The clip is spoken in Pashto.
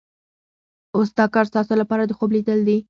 اوس دا کار ستاسو لپاره د خوب لیدل دي.